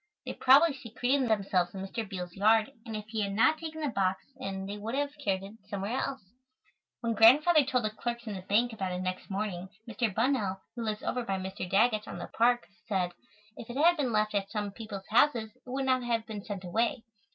They probably secreted themselves in Mr. Beals' yard and if he had not taken the box in they would have carried it somewhere else." When Grandfather told the clerks in the bank about it next morning, Mr. Bunnell, who lives over by Mr. Daggett's, on the park, said, if it had been left at some people's houses it would not have been sent away.